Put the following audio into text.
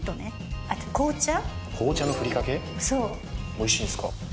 おいしいんすか？